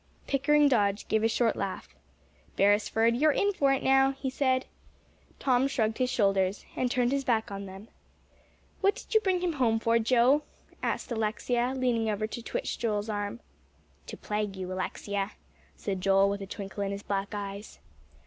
Pickering Dodge gave a short laugh. "Beresford, you're in for it now," he said. Tom shrugged his shoulders, and turned his back on them. "What did you bring him home for, Joe?" asked Alexia, leaning over to twitch Joel's arm. "To plague you, Alexia," said Joel, with a twinkle in his black eyes.